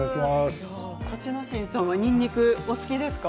栃ノ心さんはにんにくお好きですか？